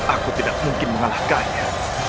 aku tidak mungkin mengalahkannya